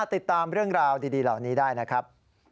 ติดตามเรื่องราวดีเหล่านี้ได้นะครับ